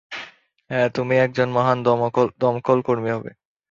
হ্যাঁ, তুমি একজন মহান দমকলকর্মী হবে।